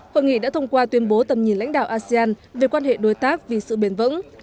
hội nghị đã thông qua tuyên bố tầm nhìn lãnh đạo asean về quan hệ đối tác vì sự bền vững